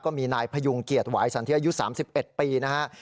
ก็มีนายพยุงเกียรติหวายสันเทียอายุ๓๑ปีนะฮะ